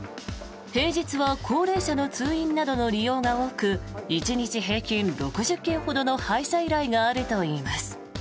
平日は高齢者の通院などの利用が多く１日平均６０件ほどの配車依頼があるといいます。